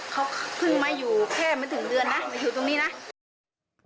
เขาเพิ่งมาอยู่แค่ไม่ถึงเดือนนะมาอยู่ตรงนี้นะ